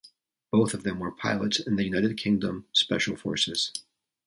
Both of them were pilots in the United Kingdom Special Forces.